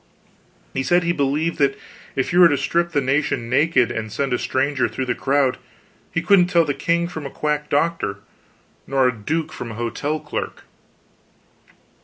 He said he believed that if you were to strip the nation naked and send a stranger through the crowd, he couldn't tell the king from a quack doctor, nor a duke from a hotel clerk.